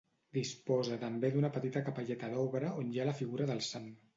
Disposa també d'una petita capelleta d'obra on hi ha la figura del sant.